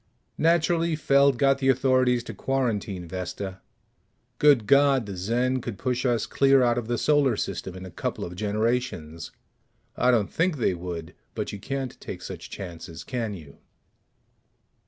Naturally, Feld got the authorities to quarantine Vesta. Good God, the Zen could push us clear out of the Solar System in a couple of generations! I don't think they would, but you can't take such chances, can you?